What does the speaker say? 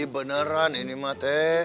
beneran ini mah teh